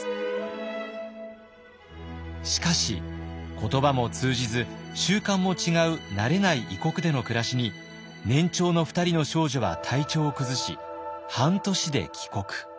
しかし言葉も通じず習慣も違う慣れない異国での暮らしに年長の２人の少女は体調を崩し半年で帰国。